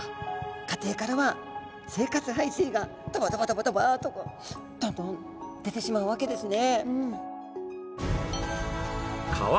家庭からは生活排水がドバドバドバドバとどんどん出てしまうわけですね。